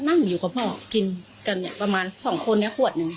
ได้ไปไหนก็นั่งเขาพ่อกินกันเนี่ยประมาณ๒คนแค่ขวดนึง